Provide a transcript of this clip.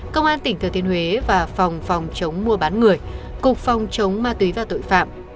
công an tỉnh thừa thiên huế và phòng phòng chống mua bán người cục phòng chống ma túy và tội phạm